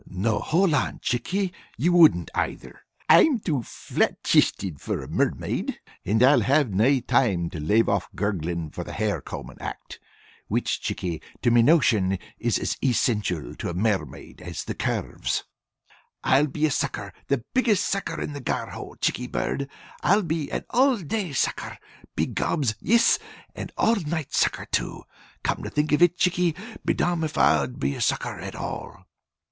No, hold on, Chickie, you wouldn't either. I'm too flat chisted for a mermaid, and I'd have no time to lave off gurglin' for the hair combin' act, which, Chickie, to me notion is as issential to a mermaid as the curves. I'd be a sucker, the biggest sucker in the Gar hole, Chickie bird. I'd be an all day sucker, be gobs; yis, and an all night sucker, too. Come to think of it, Chickie, be domn if I'd be a sucker at all.